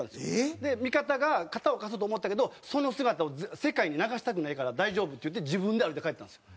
で味方が肩を貸そうと思ったけどその姿を世界に流したくないから大丈夫って言って自分で歩いて帰ったんですよ。